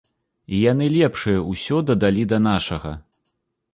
І яны лепшае ўсё дадалі да нашага.